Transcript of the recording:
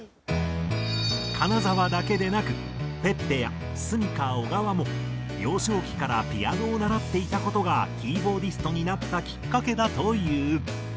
金澤だけでなくｐｅｐｐｅやｓｕｍｉｋａ小川も幼少期からピアノを習っていた事がキーボーディストになったきっかけだという。